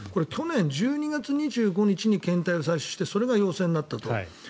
去年１２月２５日に検体を採取してそれが陽性になったと。